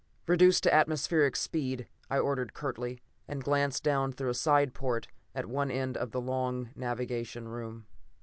"Reduce to atmospheric speed," I ordered curtly, and glanced down through a side port at one end of the long navigating room.